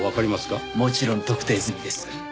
もちろん特定済みです。